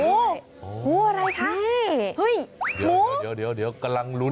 อู้วอะไรคะเฮ้ยหมูเดี๋ยวกำลังลุ้น